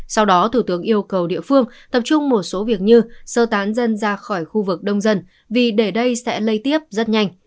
sau đó thủ tướng yêu cầu địa phương tập trung một số việc như sơ tán dân ra khỏi khu vực đông dân vì để đây sẽ lây tiếp rất nhanh